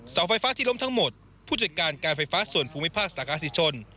เสาไฟฟ้าที่ล้มทั้งหมดผู้จัดการการไฟฟ้าส่วนภูมิภาคสากาศิชน